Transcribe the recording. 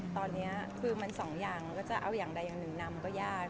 ตอนนี้มัน๒อย่างที่จะเอาอย่างใดงันหนึ่งน่าก็ยาก